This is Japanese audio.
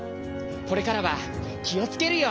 これからはきをつけるよ。